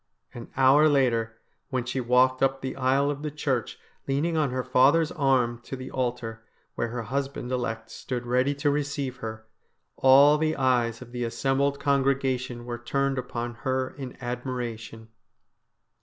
An hour later, when she walked up the aisle of the church leaning on her father's arm to the altar, where her husband elect stood ready to receive her, all the eyes of the assembled congregation were turned upon her in admiration.